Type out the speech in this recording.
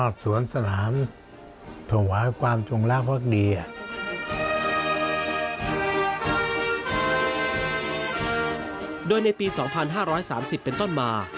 โดยในปี๒๕๓๐เป็นต้นมา